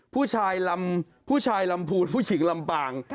ผู้ชายลำผู้ชายลำพูนผู้หญิงลำปาง